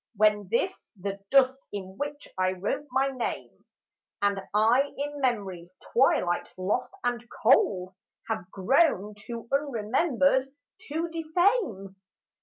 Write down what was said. When this, the dust in which I wrote my name, And I in memory's twilight lost and cold Have grown too unremembered to defame